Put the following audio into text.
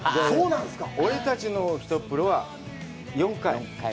「俺たちのひとっ風呂！」は４回。